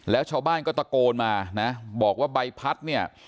แล้วชาวบ้านก็ตะโกนมานะบอกว่าใบพัดเนี่ย